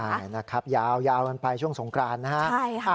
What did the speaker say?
ใช่นะครับยาวกันไปช่วงสงกรานนะฮะใช่ค่ะ